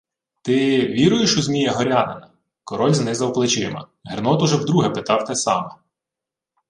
— Ти... віруєш у Змія Горянина? Король знизав плечима. Гернот уже вдруге питав те саме.